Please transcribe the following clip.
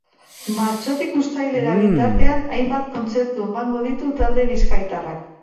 Martxotik uztailera bitartean hainbat kontzertu emango ditu talde bizkaitarrak.